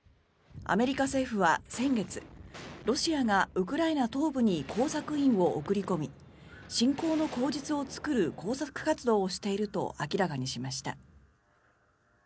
アメリカ政府は先月ロシアがウクライナ東部に工作員を送り込み侵攻の口実を作る工作活動をしていると明らかにしました。